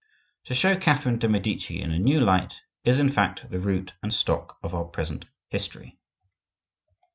To show Catherine de' Medici in a new light is, in fact, the root and stock of our present history.